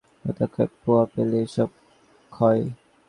প্রত্যহ এক পোয়া খেলেই খুব হয়।